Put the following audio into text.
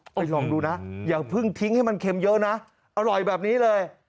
ไปลองดูนะอย่าเพิ่งทิ้งให้มันเค็มเยอะนะอร่อยแบบนี้เลย